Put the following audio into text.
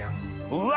うわ！